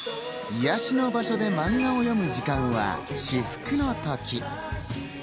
癒やしの場所でマンガを読む時間は至福の時。